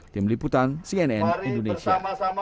tim liputan cnn indonesia